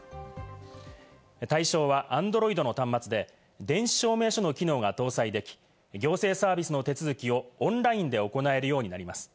対象はＡｎｄｒｏｉｄの端末で電子証明書の機能が搭載でき、行政サービスの手続きをオンラインで行えるようになります。